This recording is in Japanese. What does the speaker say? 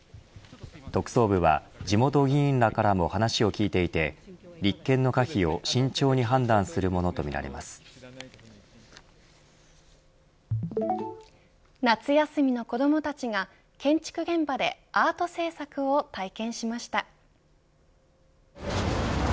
特捜部は地元議員らからも話を聞いていて立件の可否を慎重に判断するものと夏休みの子どもたちが建築現場でアート制作を体験しました。